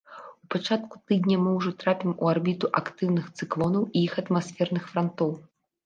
У пачатку тыдня мы ўжо трапім у арбіту актыўных цыклонаў і іх атмасферных франтоў.